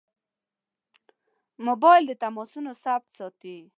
موبایل د تماسونو ثبت ساتي.